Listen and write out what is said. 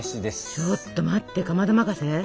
ちょっと待ってかまど任せ？